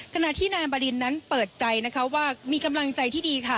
ขณะที่นายบรินนั้นเปิดใจนะคะว่ามีกำลังใจที่ดีค่ะ